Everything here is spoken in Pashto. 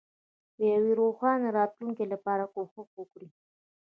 د یوې روښانه راتلونکې لپاره کوښښ وکړئ.